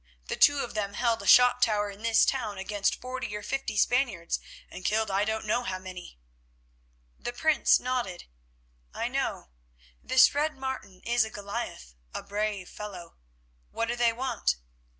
The two of them held a shot tower in this town against forty or fifty Spaniards, and killed I don't know how many." The Prince nodded. "I know. This Red Martin is a Goliath, a brave fellow. What do they want?"